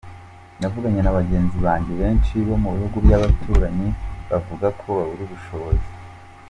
Navuganye na bagenzi banjye benshi bo mu bihugu by’abaturanyi bavuga ko babura ubushobozi’’.